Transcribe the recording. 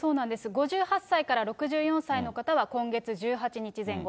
５８歳から６４歳の方は今月１８日前後。